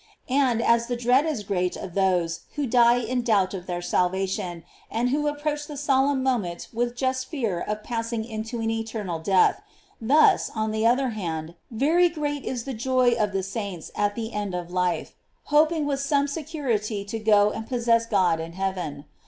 And, as the dread is great of those who die in doubt of their salvation, and who approach the solemn moment with just fear of passing into an eternal death, thus, on the other hand, very great is the joy of the saints at the end of life, hoping with some security to go and possess God in heaven.